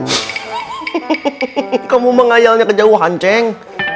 hehehe kamu mengayalnya kejauhan ceng